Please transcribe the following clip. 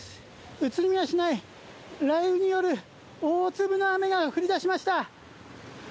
宇都宮市内、雷雨による大粒の雨が降り出しました。